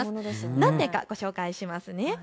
何点かご紹介します。